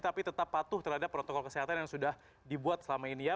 tapi tetap patuh terhadap protokol kesehatan yang sudah dibuat selama ini ya